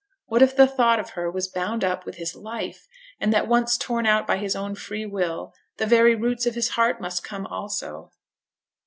What if the thought of her was bound up with his life; and that once torn out by his own free will, the very roots of his heart must come also?